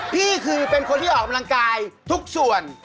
พี่คือเป็นคนที่ออกกำลังกายทุกส่วน